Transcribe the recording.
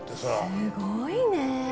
すごいね！